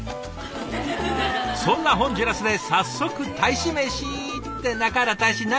そんなホンジュラスで早速大使メシ。って中原大使何？